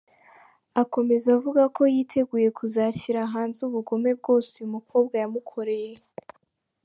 Akomeza avuga ko yiteguye kuzashyira hanze ubugome bwose uyu mukobwa yamukoreye.